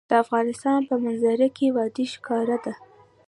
د افغانستان په منظره کې وادي ښکاره ده.